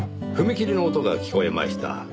踏切の音が聞こえました。